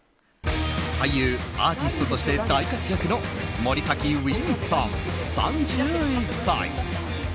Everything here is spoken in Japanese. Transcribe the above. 俳優、アーティストとして大活躍の森崎ウィンさん、３１歳。